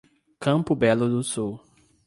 Campo Belo do Sul